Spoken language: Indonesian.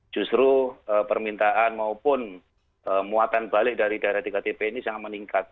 justru permintaan maupun muatan balik dari daerah tiga tp ini sangat meningkat